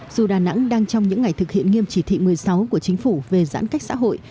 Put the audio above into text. dù đà nẵng đang trong những ngày thực hiện nghiêm chỉ thị một mươi sáu của chính phủ về giãn cách xã hội